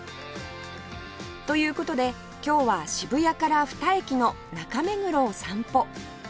という事で今日は渋谷から２駅の中目黒を散歩